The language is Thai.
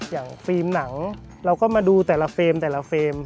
อย่างฟิล์มหนังเราก็มาดูแต่ละเฟรม